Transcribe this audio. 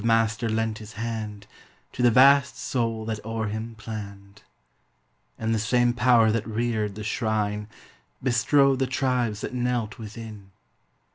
Master lent his hand To the vast Soul that o'er him planned; And the same power that reared the shrine Bestrode the tribes that knelt within.